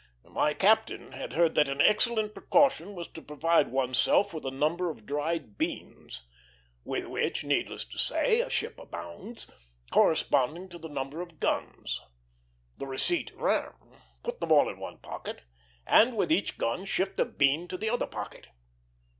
My captain had heard that an excellent precaution was to provide one's self with a number of dried beans with which, needless to say, a ship abounds corresponding to the number of guns. The receipt ran: Put them all in one pocket, and with each gun shift a bean to the other pocket.